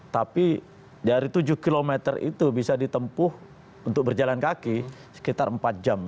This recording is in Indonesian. tapi dari tujuh km itu bisa ditempuh untuk berjalan kaki sekitar empat jam